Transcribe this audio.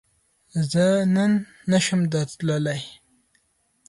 زۀ نن نشم درتلای